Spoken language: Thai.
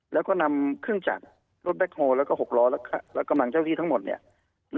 แล้วก็นำเครื่องจักรรถแบคโฮและหกล้อและกำหลังเจ้าหน้าที่ทั้งหมด